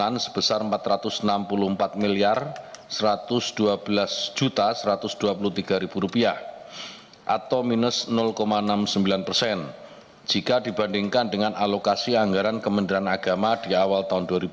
anggaran juga dialokasikan untuk belanja operasional dan non operasional